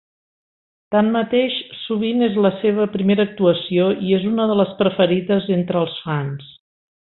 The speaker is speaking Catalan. Tanmateix, sovint és la seva primera actuació i és una de les preferides entre els fans.